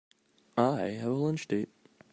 I have a lunch date.